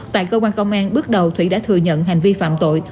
tại cơ quan công an bước đầu thủy đã thừa nhận hành vi phạm tội